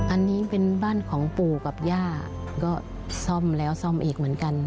อันนี้เป็นบ้านของปู่กับย่าก็ซ่อมแล้วซ่อมอีกเหมือนกัน